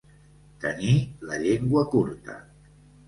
Tenir la llengua curta.